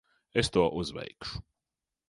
Es to uzveikšu.